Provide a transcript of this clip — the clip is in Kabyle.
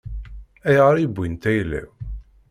Ayɣer i wwint ayla-w?